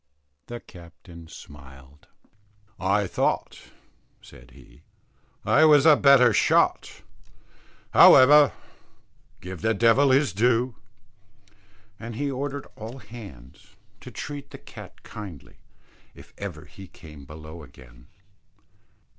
The captain smiled. "I thought," said he, "I was a better shot; however, give the devil his due." And he ordered all hands to treat the cat kindly, if ever he came below again.